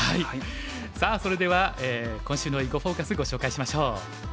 さあそれでは今週の「囲碁フォーカス」ご紹介しましょう。